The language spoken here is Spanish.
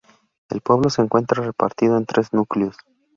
El pueblo se encuentra repartido en tres núcleos.